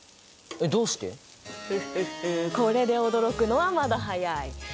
フッフッフこれで驚くのはまだ早い。